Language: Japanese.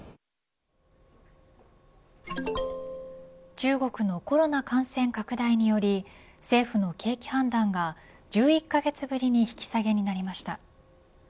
中国のコロナ感染拡大により政府の景気判断が１１カ月ぶりに引き下げになりました。